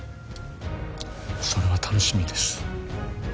それは楽しみです